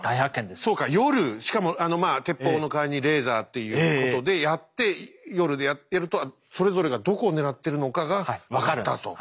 そうか夜しかも鉄砲の代わりにレーザーっていうことでやって夜でやるとそれぞれがどこを狙ってるのかが分かったと。